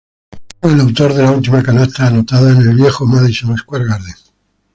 Fue el autor de la última canasta anotada en el viejo Madison Square Garden.